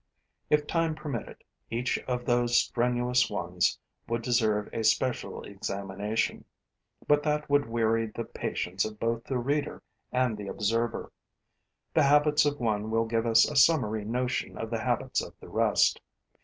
If time permitted, each of those strenuous ones would deserve a special examination; but that would weary the patience of both the reader and the observer. The habits of one will give us a summary notion of the habits of the rest.